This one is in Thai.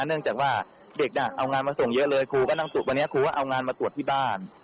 เนื่องจากว่าเด็กน่ะเอางานมาส่งเยอะเลยครูก็นั่งวันนี้ครูก็เอางานมาตรวจที่บ้าน